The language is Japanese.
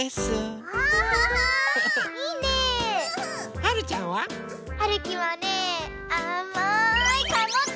はるちゃんは？はるきはねあまいかぼちゃ！